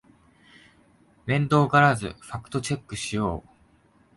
面倒がらずにファクトチェックしよう